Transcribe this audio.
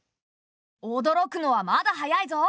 おどろくのはまだ早いぞ。